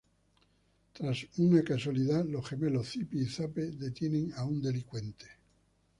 Tras una casualidad, los gemelos Zipi y Zape detienen a un delincuente.